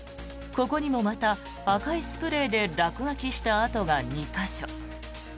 ここにもまた赤いスプレーで落書きした跡が２か所。